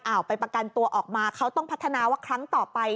ไปประกันตัวออกมาเขาต้องพัฒนาว่าครั้งต่อไป